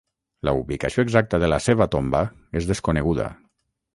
La ubicació exacta de la seva tomba és desconeguda.